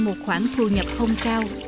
một khoản thu nhập không cao